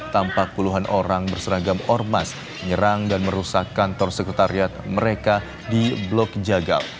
tampak puluhan orang berseragam ormas menyerang dan merusak kantor sekretariat mereka di blok jagal